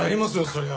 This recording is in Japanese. そりゃ。